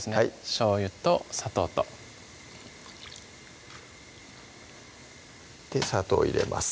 しょうゆと砂糖と砂糖入れます